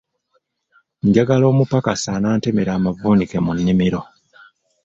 Njagala omupakasi anaantemera amavunike mu nnimiro.